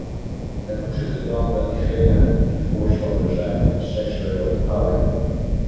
En hoe zit het dan met degenen die voorstander zijn van seksuele onthouding?